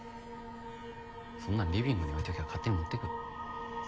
そんなのリビングに置いときゃ勝手に持ってくよ。